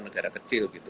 negara kecil gitu